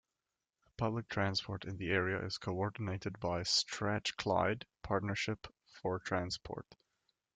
Public transport in the area is coordinated by Strathclyde Partnership for Transport.